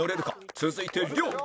続いて亮